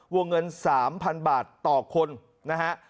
วงเงิน๓๐๐๐บาทต่อคนนะฮะ